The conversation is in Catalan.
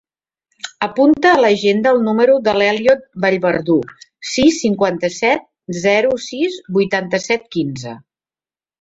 Apunta a l'agenda el número de l'Elliot Vallverdu: sis, cinquanta-set, zero, sis, vuitanta-set, quinze.